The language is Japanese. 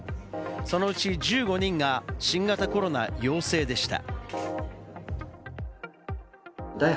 そのうち１５人が新型コロナ陽性でした。